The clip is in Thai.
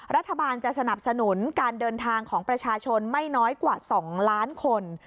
รัฐบาลจะสนับสนุนการเดินทางของประชาชนไม่น้อยกว่า๒ล้านคน